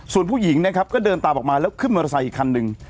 ส่วนผู้หญิงนะครับก็เดินตามออกมาแล้วขึ้นมอเตอร์ไซค์อีกคันหนึ่ง